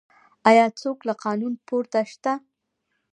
آیا څوک له قانون پورته شته؟